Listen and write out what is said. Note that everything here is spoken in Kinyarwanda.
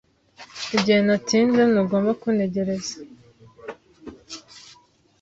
Mugihe natinze, ntugomba kuntegereza.